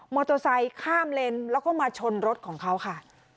โตไซค์ข้ามเลนแล้วก็มาชนรถของเขาค่ะ